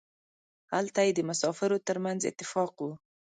هلته یې د مسافرو ترمنځ اتفاق و.